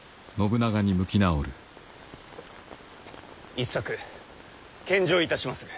一策献上いたしまする。